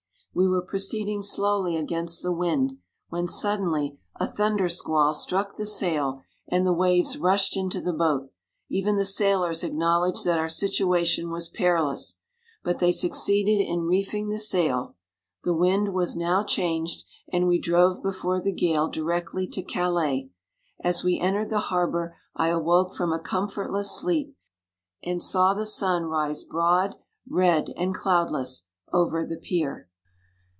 We were proceeding slowly against the wind, when suddenly a thunder squall struck the sail, and the waves rushed into the boat : even the sailors acknowledged that our situation was perilous ; but they succeeded in reefing the sail; — the wind was now changed, and we drove before the gale directly to Calais. As we entered the harbour I awoke from a comfortless sleep, and saw the sun rise broad, red, and cloud less over the pier.